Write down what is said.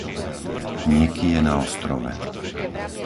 Nekyje na Ostrove